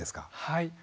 はい。